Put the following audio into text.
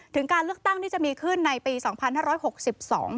ถึงการเลือกตั้งที่จะมีขึ้นในปี๒๕๖๒